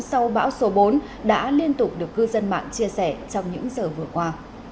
sau bão số bốn đã liên tục được cư dân mạng chia sẻ trong những giờ vừa qua